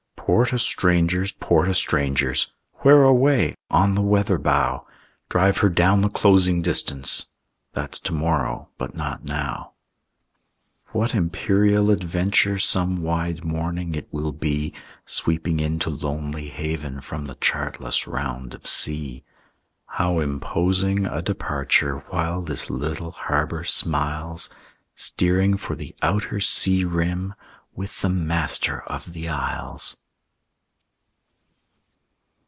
"Port o' Strangers, Port o' Strangers!" "Where away?" "On the weather bow." "Drive her down the closing distance!"... That's to morrow, but not now. What imperial adventure Some wide morning it will be, Sweeping in to Lonely Haven From the chartless round of sea! How imposing a departure, While this little harbor smiles, Steering for the outer sea rim With the Master of the Isles!